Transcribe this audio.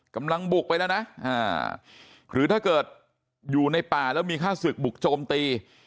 กำลังบุกไปแล้วนะหรือถ้าเกิดอยู่ในป่าแล้วมีฆ่าศึกบุกโจมตี